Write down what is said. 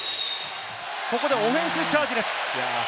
ここでオフェンスチャージです。